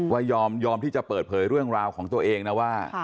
ยอมที่จะเปิดเผยเรื่องราวของตัวเองนะว่า